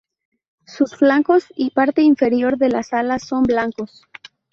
Sus flancos y parte inferior de las alas son blancos.